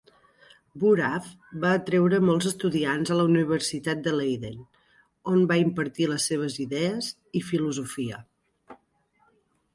Boerhaave va atreure molts estudiants a la Universitat de Leiden, on va impartir les seves idees i filosofia.